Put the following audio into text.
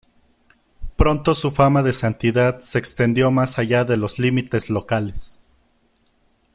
Pronto su fama de santidad se extendió más allá de los límites locales.